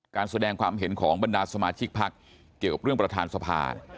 การแสดงความเห็นของบรรดาสมาชิกพักเกี่ยวกับเรื่องประธานสภา